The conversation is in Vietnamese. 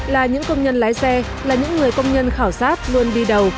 là những công nhân lái xe là những người công nhân khảo sát luôn đi đầu